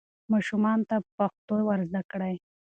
ماشومانو ته پښتو ور زده کړئ.